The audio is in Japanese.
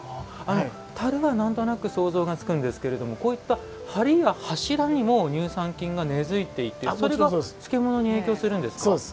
たるはなんとなく想像がつくんですけれどもはりや柱にも乳酸菌が根づいていて、それが漬物に影響するんですか？